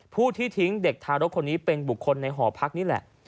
ผู้ที่ทิ้งเด็กทารกคนนี้เป็นบุคคลในหอพักนี่แหละ